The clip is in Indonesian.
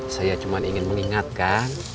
saya cuma ingin mengingatkan